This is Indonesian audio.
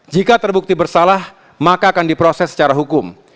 jika terbukti bersalah maka akan diproses secara hukum